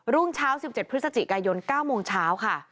รุ่งเช้า๑๗พฤศจิกายน๙โมงเช้าค่ะ